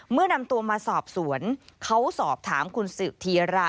เมื่อนำตัวมาสอบสวนเขาสอบถามคุณสืบธีรา